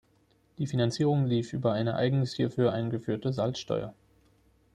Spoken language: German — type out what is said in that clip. Die Finanzierung lief über eine eigens hierfür eingeführte Salzsteuer.